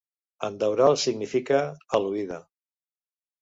Endaural significa "a l'oïda".